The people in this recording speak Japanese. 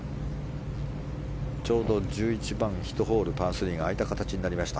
ちょうど１１番、１ホール、パー３が空いた形になりました。